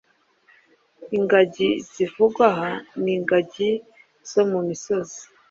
Ingagi zivugwa aha ni ingagi zo mu misozi.